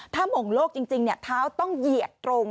ท่ามงโลกจริงเนี่ยท้าวต้องเหยียดตรง